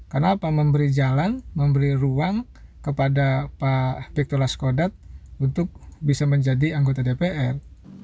karena apa memberi jalan memberi ruang kepada pak victor laiskodat untuk bisa menjadi anggota dpr